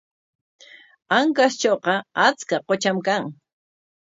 Ancashtrawqa achka qutram kan.